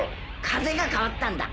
風が変わったんだ